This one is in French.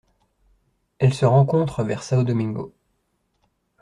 Elle se rencontre vers São Domingos.